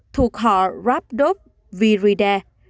thuộc họ rhabdoviridae